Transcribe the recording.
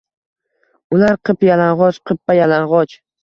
Ular qip-yalong’och, qippa yalang’och